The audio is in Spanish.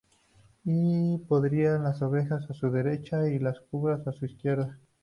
Y pondrá las ovejas a su derecha, y las cabras a su izquierda.